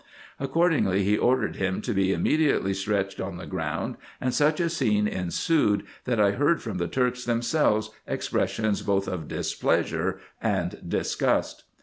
Accordingly* he ordered him to be immediately stretched on the ground ; and such a scene ensued, that I heard from the Turks themselves expressions both of displeasure and disgust.